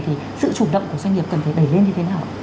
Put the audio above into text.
thì sự chủ động của doanh nghiệp cần phải đẩy lên như thế nào